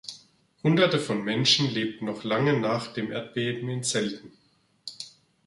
Hunderte von Menschen lebten noch lange Zeit nach dem Erdbeben in Zelten.